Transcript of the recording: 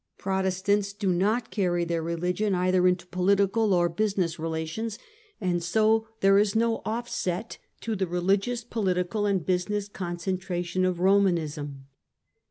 i , Protestants do not carry their religion either into political or business relations, and so there is no offset to the religious, political and business concentration of Pomanism.